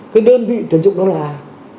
cái đơn vị tuyển dụng đó là ai